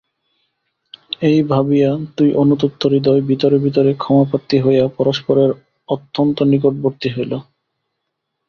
এই ভাবিয়া দুই অনুতপ্ত হৃদয় ভিতরে ভিতরে ক্ষমাপ্রার্থী হইয়া পরস্পরের অত্যন্ত নিকটবর্তী হইল।